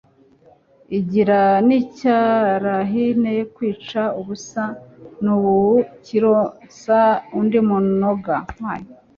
Igira n' icyarahiye kwicara ubusa,N' ubu kironsa undi munoga !